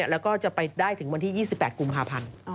แล้วก็จะไปได้ถึงวันที่๒๘กุมภาพันธ์